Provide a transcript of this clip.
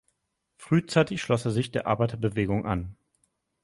Frühzeitig schloss er sich der Arbeiterbewegung an.